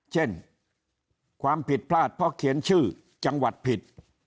เช่นความผิดพลาดเพราะเขียนชื่อจังหวัดผิด